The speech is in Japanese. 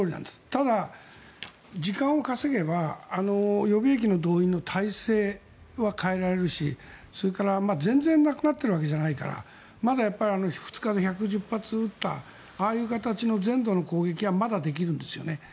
ただ、時間を稼げば予備役の動員の態勢は変えられるしそれから、全然なくなっているわけじゃないからまだ、２日で１１０発撃ったああいう形の全土の攻撃はまだできるんですよね。